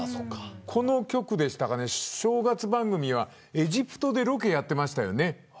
この局でしたかね、正月番組はエジプトでロケやってましたよね。